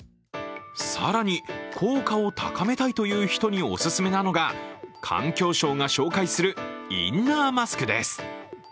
更に、効果を高めたいという人にオススメなのが、環境省が紹介するインナーマスクです。